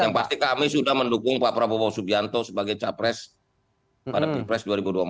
yang pasti kami sudah mendukung pak prabowo subianto sebagai capres pada pilpres dua ribu dua puluh empat